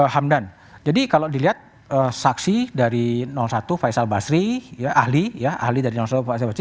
hamdan jadi kalau dilihat saksi dari satu faisal basri ya ahli ya ahli dari yang satu pak faisal basri